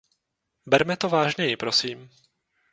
Berme to vážněji, prosím!